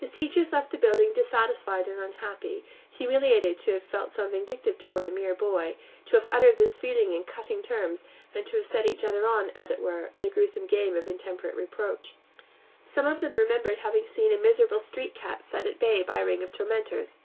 His teachers left the building dissatisfied and unhappy; humiliated to have felt so vindictive toward a mere boy, to have uttered this feeling in cutting terms, and to have set each other on, as it were, in the gruesome game of intemperate reproach. Some of them remembered having seen a miserable street cat set at bay by a ring of tormentors.